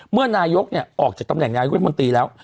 เมื่อนายกออกจากตำแหน่งนายกรัฐมนตรีแล้ว